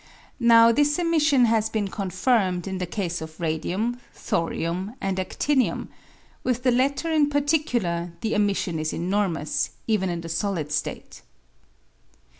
Now this emission has been confirmed in the case of radium, thorium, and adinium ; vA\h the latter in particular the emission is enormous, even in the solid state.